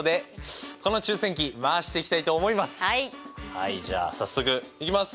はいじゃあ早速いきます！